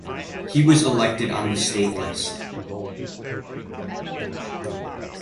He was elected on the state list.